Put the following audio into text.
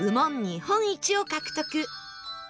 日本一を獲得